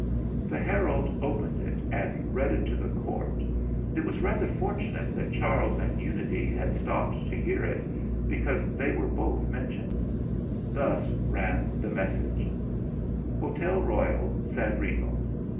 The herald opened it and read it to the Court. And it was rather fortunate that Charles and Unity had stopped to hear it, be cause they were both mentioned. Thus ran the message: "Hotel Royal, San Remo.